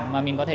mà mình có thể